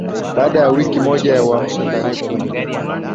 Baada ya wiki moja ya uhamisho tarehe kumi